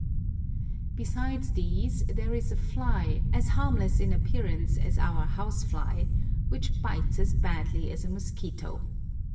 Besides these, there is a fly, as harmless in appearance as our house fly, which bites as badly as a mosquito.